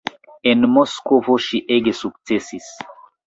En Moskvo ŝi ege sukcesis.